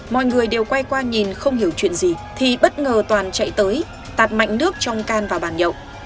mọi người đều quay qua nhìn không hiểu chuyện gì thì bất ngờ toàn chạy tới tạt mạnh nước trong can và bàn nhậu